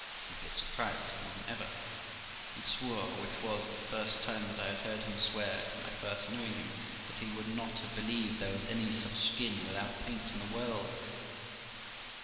He appeared surprised more than ever, and swore, which was the first time that I had heard him swear from my first knowing him, that he could not have believed there was any such skin without paint in the world.